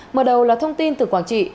mở đầu là thông tin từ quảng trị